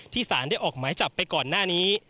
สารได้ออกหมายจับไปก่อนหน้านี้